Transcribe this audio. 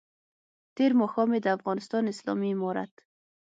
تېر ماښام یې د افغانستان اسلامي امارت